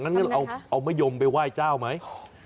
งั้นเอามะยมไปไหว้เจ้าไหม